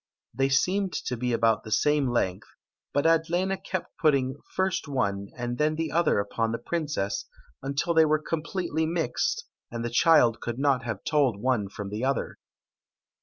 They seemed to be about the same length, but Adlena kept putting first one and then the other upon the princess, until they were completely mixed, and the child could not have told one from the other.